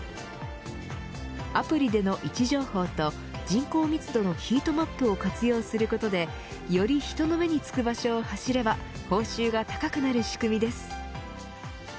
アプリでの位置情報と人口密度のヒートマップを活用することでより人の目につく場所を走れば報酬が高くなる仕組みです。